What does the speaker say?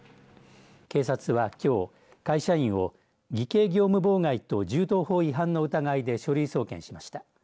警察は、きょう会社員を偽計業務妨害と銃刀法違反の疑いで書類送検しました。